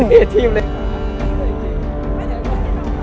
นี่ทีมเลขา